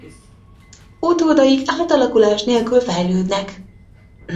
Utódaik átalakulás nélkül fejlődnek.